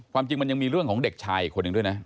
จริงมันยังมีเรื่องของเด็กชายอีกคนหนึ่งด้วยนะ